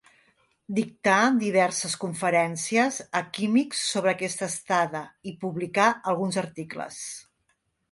Dictà diverses conferències a químics sobre aquesta estada i publicà alguns articles.